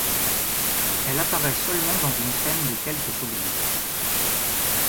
Elle apparaît seulement dans une scène de quelques secondes.